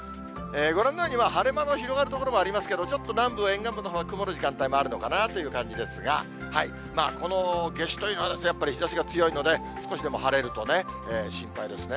ご覧のように、晴れ間の広がる所もありますけど、ちょっと南部沿岸部のほうは曇る時間帯もあるのかなという感じですが、この夏至というのは、やっぱり日ざしが強いので、少しでも晴れるとね、心配ですね。